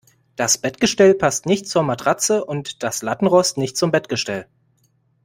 Das Bettgestell passt nicht zur Matratze und das Lattenrost nicht zum Bettgestell.